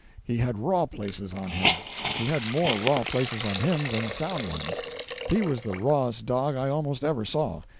He had raw places on him. He had more raw places on him than sound ones. He was the rawest dog I almost ever saw.